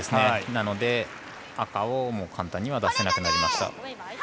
なので、赤を簡単には出せなくなりました。